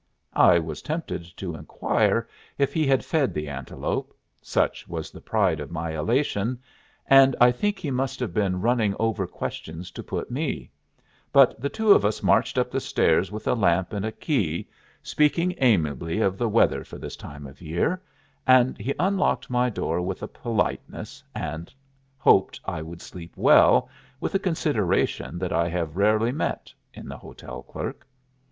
I was tempted to inquire if he had fed the antelope such was the pride of my elation and I think he must have been running over questions to put me; but the two of us marched up the stairs with a lamp and a key, speaking amiably of the weather for this time of year, and he unlocked my door with a politeness and hoped I would sleep well with a consideration that I have rarely met in the hotel clerk.